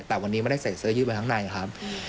แต่วันนี้ไม่ได้ใส่เสื้อยืดไว้ข้างในครับ